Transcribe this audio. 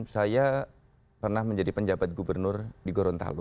saya pernah menjadi penjabat gubernur di gorontalo